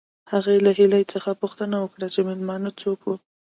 هغې له هیلې پوښتنه وکړه چې مېلمانه څوک وو